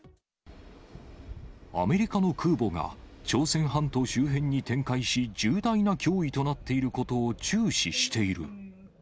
アメリカの空母が朝鮮半島周辺に展開し、重大な脅威となっていることを注視している。